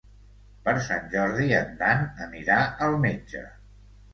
Per Sant Jordi en Dan anirà al metge.